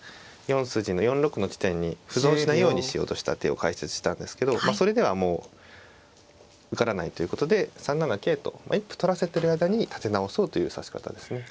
４筋の４六の地点に歩損しないようにしようとした手を解説したんですけどそれではもう受からないということで３七桂と一歩取らせてる間に立て直そうという指し方ですね。